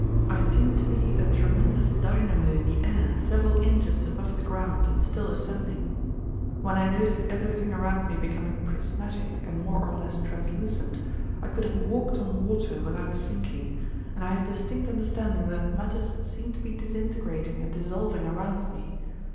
I seemed to be a tremendous dynamo in the air several inches above the ground and still ascending. When I noticed everything around me becoming prismatic and more or less translucent, I could have walked on water without sinking, and I had distinct understanding that matters seemed to be disintegrating and dissolving around me.